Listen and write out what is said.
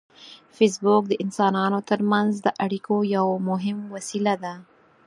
فېسبوک د انسانانو ترمنځ د اړیکو یو مهم وسیله ده